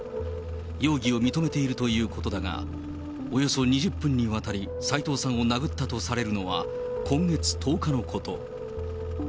容疑を認めているということだが、およそ２０分にわたり、斎藤さんを殴ったとされるのは今月１０日のこと。